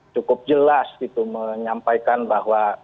cukup jelas gitu menyampaikan bahwa